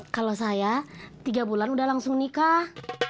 kalau saya tiga bulan udah langsung nikah